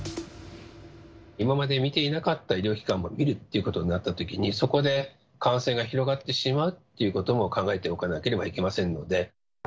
今まで診ていなかった医療機関も診るっていうことになったときに、そこで感染が広がってしまうっていうことも考えておかなければいけませんので。